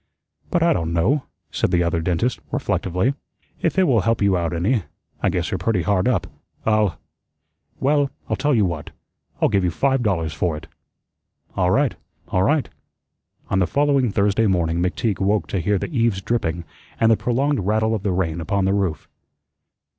"But I don't know," said the Other Dentist, reflectively. "If it will help you out any I guess you're pretty hard up I'll well, I tell you what I'll give you five dollars for it." "All right, all right." On the following Thursday morning McTeague woke to hear the eaves dripping and the prolonged rattle of the rain upon the roof.